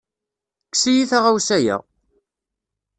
Kkes-iyi taɣawsa-ya!